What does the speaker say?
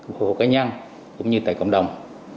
phục vụ cá nhân cũng như tại cộng đồng